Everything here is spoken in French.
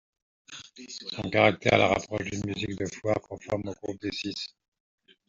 Son caractère la rapproche d'une musique de foire, conforme au Groupe des six.